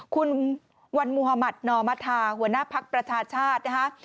คุณวันมุธมัธนอมธาหัวหน้าภักดิ์ประชาชาตินะคะ